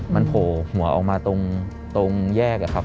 มันโผล่หัวออกมาตรงแยกอะครับ